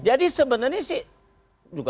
jadi sebenarnya sih juga